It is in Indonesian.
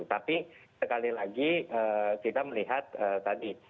tapi sekali lagi kita melihat tadi